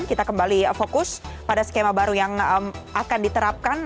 kita kembali fokus pada skema baru yang akan diterapkan